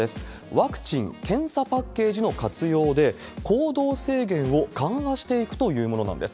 ワクチン・検査パッケージの活用で、行動制限を緩和していくというものなんです。